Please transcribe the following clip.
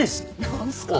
何すか？